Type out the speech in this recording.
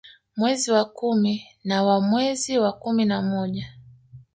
Mwezi wa kumi na wa mwezi wa kumi na moja